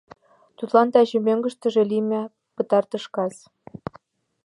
Тудланат таче мӧҥгыштыжӧ лийме пытартыш кас.